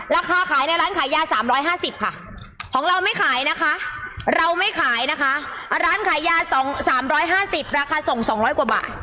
ราคาขายในร้านขายยา๓๕๐ค่ะของเราไม่ขายนะคะเราไม่ขายนะคะร้านขายยา๒๓๕๐ราคาส่ง๒๐๐กว่าบาท